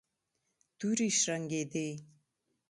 تورې شرنګېدې.